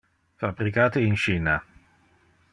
Fabricate in China.